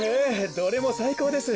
どれもさいこうです。